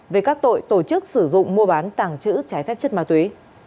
về các tội tổ chức sử dụng mua bán tàng trữ trái phép chất ma túy